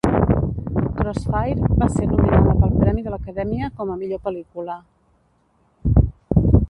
"Crossfire" va ser nominada pel premi de l'Acadèmia com a Millor Pel·lícula.